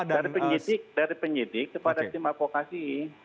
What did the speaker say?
dari penyidik dari penyidik kepada tim avokasi